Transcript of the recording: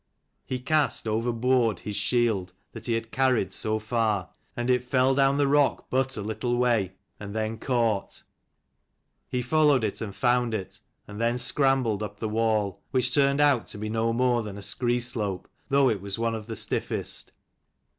He cast overboard his shield that he 287 had carried so far, and it fell down the rock but a little way, and then caught. He followed it and found it, and then scrambled up the wall ; which turned out to be no more than a scree slope, though it was one of the stiffest.